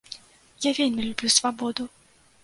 Я вельмі люблю свабоду.